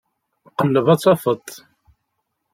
Qelleb ad tafeḍ.